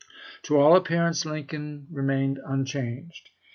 To all appearance Lincoln remained unchanged.